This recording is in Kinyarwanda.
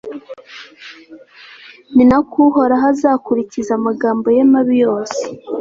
ni na ko uhoraho azakurikiza amagambo ye mabi yose